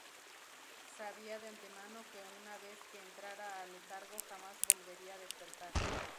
Sabía de antemano que una vez que entrara el letargo jamás volvería a despertar.